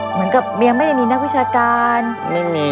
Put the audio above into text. เหมือนกับเมียไม่ได้มีนักวิชาการ